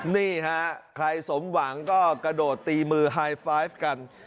นี่ฮะใครสมหวังก็กระโดดตีมือไฮไฟฟ์กัน